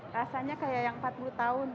rasanya kayak yang empat puluh tahun